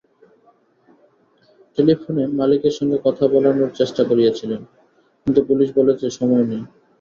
টেলিফোনে মালিকের সঙ্গে কথা বলানোর চেষ্টা করেছিলেন, কিন্তু পুলিশ বলেছে, সময় নেই।